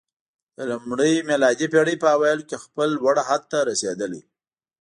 د لومړۍ میلادي پېړۍ په اوایلو کې خپل لوړ حد ته رسېدلی